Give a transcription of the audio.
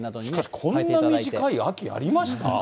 しかしこんな短い秋ありました？